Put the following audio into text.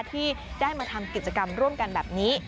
ที่ได้มาทำกิจกรรมร่วมกันแบบนี้